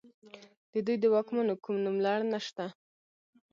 د دوی د واکمنو کوم نوملړ نشته